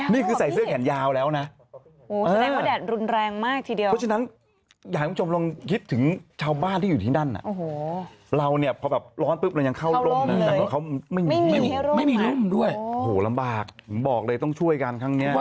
นี่คุณผู้ชมบอกมายะโสทอน้ำเริ่มลดลงแล้วนะครับ